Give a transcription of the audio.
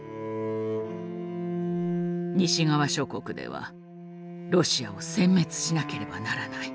西側諸国ではロシアを殲滅しなければならない。